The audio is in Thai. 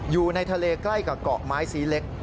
อยู่ในทะเลใกล้กับเกาะไม้สีเล็ก